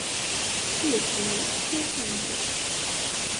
Kie timo, tie honto.